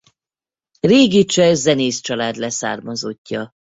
Régi cseh zenész család leszármazottja.